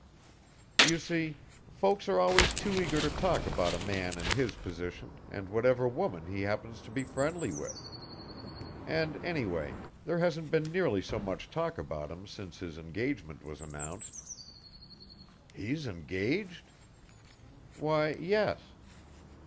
You see, folks are always too eager to talk about a man in his position and whatever woman he happens to be friendly with. And anyway, there hasn't been nearly so much talk about him since his engagement was announced." "He is engaged?" "Why, yes."